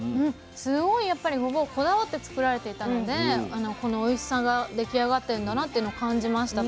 すごいやっぱりごぼうこだわって作られていたのでこのおいしさが出来上がってんだなっていうのを感じました。